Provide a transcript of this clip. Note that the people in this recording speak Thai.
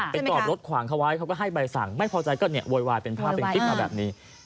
จอดรถขวางเขาไว้เขาก็ให้ใบสั่งไม่พอใจก็เนี่ยโวยวายเป็นภาพเป็นคลิปมาแบบนี้